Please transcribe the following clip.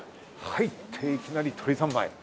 入っていきなり鶏三昧。